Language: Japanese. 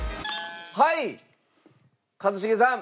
はい一茂さん。